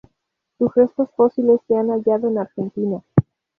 Sus restos fósiles se han hallado en Argentina.